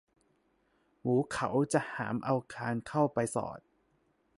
หมูเขาจะหามเอาคานเข้าไปสอด